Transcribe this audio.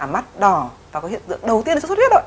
mắt đỏ và cái hiện tượng đầu tiên là sốt huyết rồi